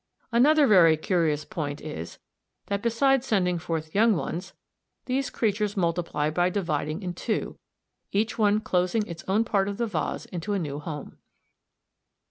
Another very curious point is that, besides sending forth young ones, these creatures multiply by dividing in two (see No. 3, Fig. 68), each one closing its own part of the vase into a new home.